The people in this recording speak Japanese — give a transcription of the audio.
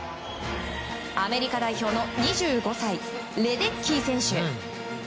アメリカ代表の２５歳レデッキー選手。